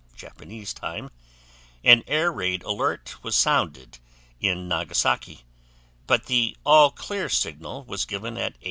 Japanese time, an air raid alert was sounded in Nagasaki, but the "All clear" signal was given at 8:30.